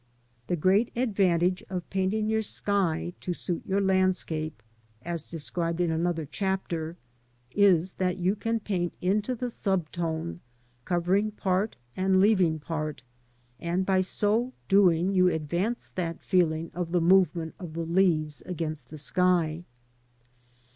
The great advantage of painting your sky to suit your landscape (as described in another chapter) is that you can paint into the sub tone, covering part and leaving part, and by so doing you advance that feeling of the movement of the leaves against the sky.